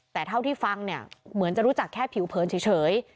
แต่เท่าที่ฟังเนี่ยเหมือนจะรู้จักแค่ผิวเผินเฉย